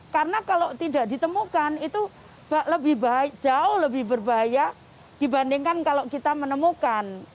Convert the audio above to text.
karena kalau tidak ditemukan itu lebih jauh lebih berbahaya dibandingkan kalau kita menemukan